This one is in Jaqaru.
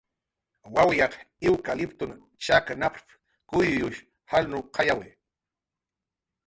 "Wawyaq iwkatliptun chak nap""rap"" kuyyush jalnuqayawi"